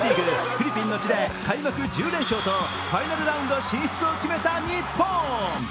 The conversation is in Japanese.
フィリピンの地で開幕１０連勝とファイナルラウンド進出を決めた日本。